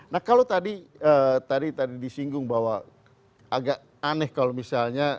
nah kalau tadi tadi disinggung bahwa agak aneh kalau misalnya